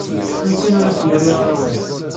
Cwi kan ur as-yerri ara awal.